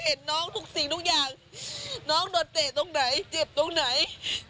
เห็นน้องทุกสิ่งทุกอย่างน้องโดนเตะตรงไหนเจ็บตรงไหน